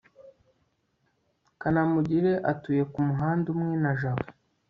kanamugire atuye kumuhanda umwe na jabo